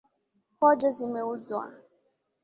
Pojo zimeuzwa.